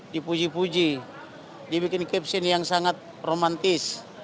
dipuji puji dibikin caption yang sangat romantis